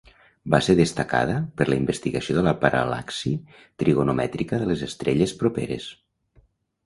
Va ser destacada per la investigació de la paral·laxi trigonomètrica de les estrelles properes.